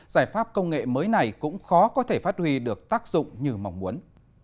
giải pháp công nghệ mới này cũng khó có thể phát huy được tác dụng như mong muốn